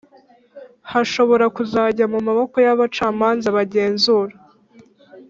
hashobora kuzajya mu maboko y’abacamanza bagenzura